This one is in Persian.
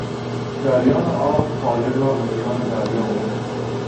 جریان آب قایق را به میان دریا برد.